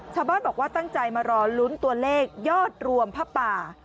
ชาวบ้านบอกว่าตั้งใจมารอลุ้นตัวเลขยอดรวมผ้าป่า